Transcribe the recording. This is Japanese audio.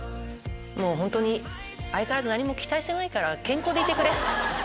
もう本当に相変わらず何も期待してないから健康でいてくれ。